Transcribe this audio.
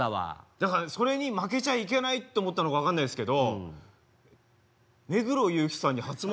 だからそれに負けちゃいけないと思ったのか分かんないですけど目黒祐樹さんに初孫が。